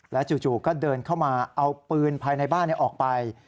จู่ก็เดินเข้ามาเอาปืนภายในบ้านออกไป